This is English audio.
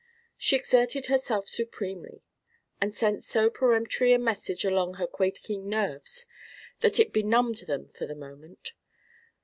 She exerted herself supremely and sent so peremptory a message along her quaking nerves that it benumbed them for the moment.